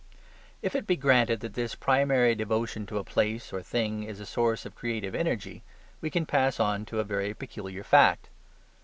If it be granted that this primary devotion to a place or thing is a source of creative energy, we can pass on to a very peculiar fact.